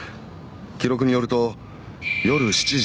記録によると夜７時４０分。